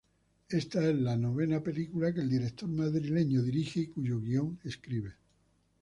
Esta es la novena película que el director madrileño dirige y cuyo guion escribe.